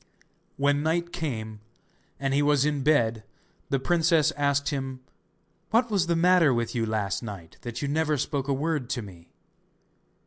When night came and he was in bed the princess asked him: 'What was the matter with you last night, that you never spoke a word to me?